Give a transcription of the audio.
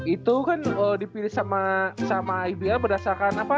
itu kan dipilih sama iba berdasarkan apa